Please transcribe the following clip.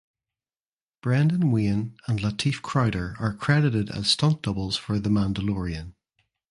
Brendan Wayne and Lateef Crowder are credited as stunt doubles for The Mandalorian.